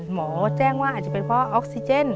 หมอแจ้งว่าอาจจะเป็นเพราะออกซิเจน